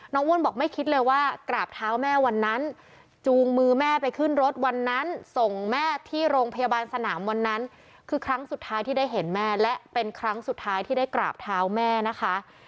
ว่นบอกไม่คิดเลยว่ากราบเท้าแม่วันนั้นจูงมือแม่ไปขึ้นรถวันนั้นส่งแม่ที่โรงพยาบาลสนามวันนั้นคือครั้งสุดท้ายที่ได้เห็นแม่และเป็นครั้งสุดท้ายที่ได้กราบเท้าแม่นะคะ